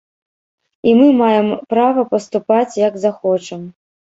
І мы маем права паступаць, як захочам.